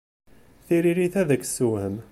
Tiririt ad k-tessewhem.